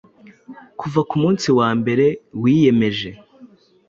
Kuva ku munsi wa mbere wiyemeje